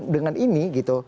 dengan ini gitu